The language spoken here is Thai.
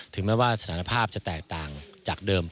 แม้ว่าสถานภาพจะแตกต่างจากเดิม